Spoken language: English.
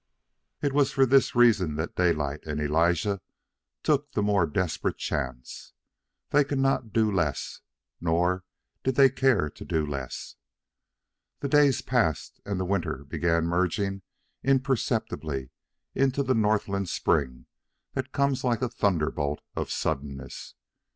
It was for this reason that Daylight and Elijah took the more desperate chance. They could not do less, nor did they care to do less. The days passed, and the winter began merging imperceptibly into the Northland spring that comes like a thunderbolt of suddenness.